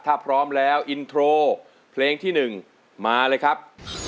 ถ้าพร้อมแล้วอินโทรเพลงที่๑มาเลยครับ